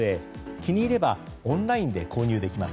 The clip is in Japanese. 気に入ればオンラインで購入できます。